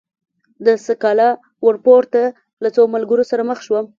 له سکالا ورپورته له څو ملګرو سره مخ شوم.